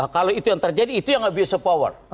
kalau itu yang terjadi itu yang abuse of power